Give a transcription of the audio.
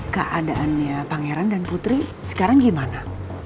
keadaannya pangeran dan putri sekarang gimana